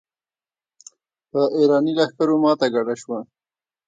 په اېراني لښکرو ماته ګډه شوه.